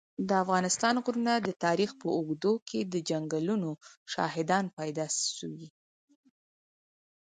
د افغانستان غرونه د تاریخ په اوږدو کي د جنګونو شاهدان پاته سوي.